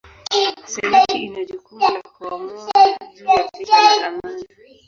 Senati ina jukumu la kuamua juu ya vita na amani.